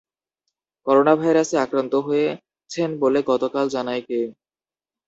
করোনাভাইরাসে আক্রান্ত হয়েছেন বলে গতকাল জানায় কে?